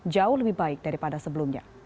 jauh lebih baik daripada sebelumnya